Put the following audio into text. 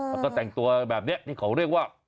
แล้วก็แต่งตัวแบบนี้ที่เขาเรียกว่า